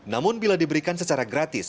namun bila diberikan secara gratis